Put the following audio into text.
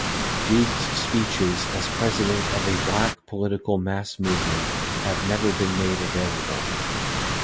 Dube's speeches as president of a black political mass-movement have never been made available.